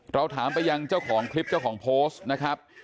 เราถามไปยังเจ้าของคลิปเจ้าของโพสต์นะครับ